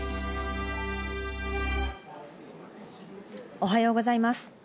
おはようございます。